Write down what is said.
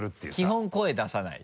基本声出さない。